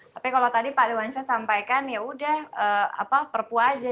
tapi kalau tadi pak dewan syed sampaikan ya sudah perpu saja